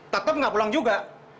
tetep gak pulang juga